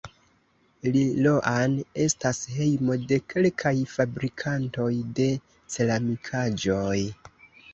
Liloan estas hejmo de kelkaj fabrikantoj de ceramikaĵoj.